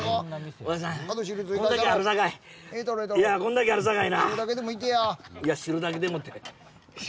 こんだけあるさかいな。